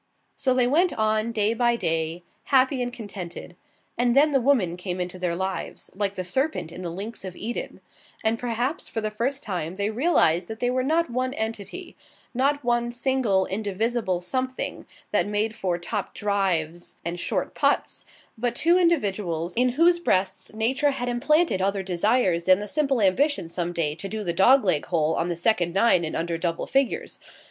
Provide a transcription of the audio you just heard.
So they went on, day by day, happy and contented. And then the Woman came into their lives, like the Serpent in the Links of Eden, and perhaps for the first time they realized that they were not one entity not one single, indivisible Something that made for topped drives and short putts but two individuals, in whose breasts Nature had implanted other desires than the simple ambition some day to do the dog leg hole on the second nine in under double figures.